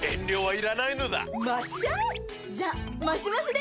じゃ、マシマシで！